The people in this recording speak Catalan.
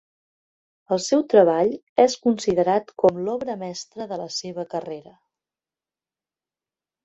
El seu treball és considerat com l'obra mestra de la seva carrera.